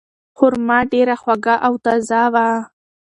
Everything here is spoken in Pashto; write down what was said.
خورما ډیره خوږه او تازه وه.